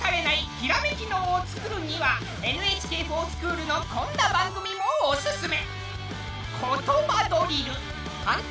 ひらめき脳をつくるには「ＮＨＫｆｏｒＳｃｈｏｏｌ」のこんな番組もおすすめ。